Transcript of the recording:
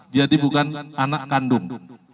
jadi bukan anak kandung